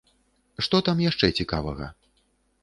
Што там яшчэ цікавага?